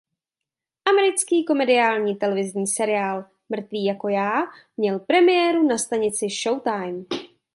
Americký komediální televizní seriál "Mrtví jako já" měl premiéru na stanici Showtime.